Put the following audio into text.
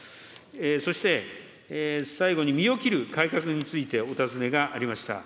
そして最後に、身を切る改革についてお尋ねがありました。